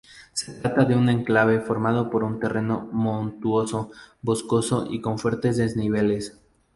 Se trata de un enclave formado por terreno montuoso, boscoso y con fuertes desniveles.